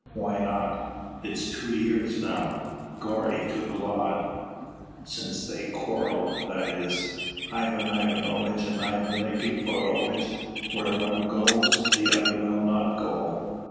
"Why not?" "It's two years now, glory to God! since they quarrelled; that is, Ivan Ivanovitch and Ivan Nikiforovitch; and where one goes, the other will not go."